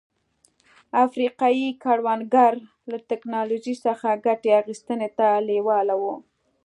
افریقايي کروندګر له ټکنالوژۍ څخه ګټې اخیستنې ته لېواله وو.